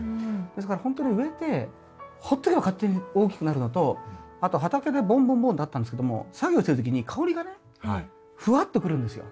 ですからほんとに植えてほっとけば勝手に大きくなるのとあと畑でぼんぼんぼんってあったんですけども作業してる時に香りがねふわっとくるんですよ。